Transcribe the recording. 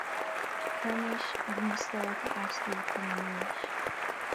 Airnéis ar an Eastát a aistriú chun an Fhorais.